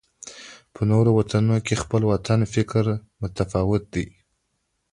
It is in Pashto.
په نورو وطنونو کې د خپل وطن فکر متفاوت دی.